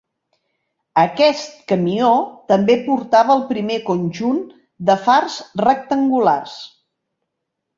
Aquest camió també portava el primer conjunt de fars rectangulars.